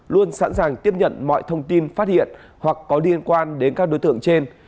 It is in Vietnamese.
luôn sẵn sàng tiếp nhận mọi thông tin phát hiện hoặc có liên quan đến các đối tượng trên